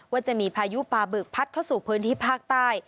ว่าจะมีพายุปลาบึกพัดเข้าสู่พื้นที่ภาคใต้